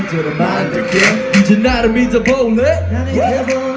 เยี่ยมมาก